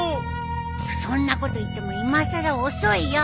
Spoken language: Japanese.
そんなこと言ってもいまさら遅いよ。